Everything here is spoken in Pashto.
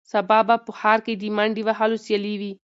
سبا به په ښار کې د منډې وهلو سیالي وي.